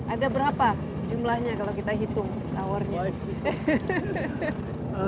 ada berapa jumlahnya kalau kita hitung towernya